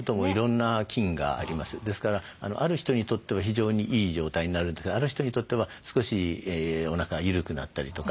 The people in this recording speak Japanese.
ですからある人にとっては非常にいい状態になるんですけどある人にとっては少しおなかが緩くなったりとかするものもあります。